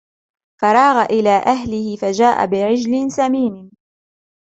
فراغ إلى أهله فجاء بعجل سمين